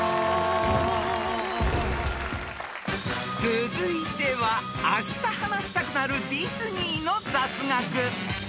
［続いてはあした話したくなるディズニーの雑学］